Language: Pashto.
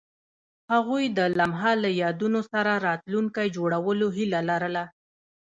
هغوی د لمحه له یادونو سره راتلونکی جوړولو هیله لرله.